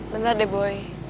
bentar deh boy